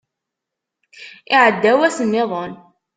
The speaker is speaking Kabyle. Iɛedda wass niḍen.